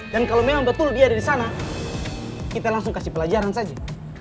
dan kalo memang betul dia ada disana kita langsung kasih pelajaran saja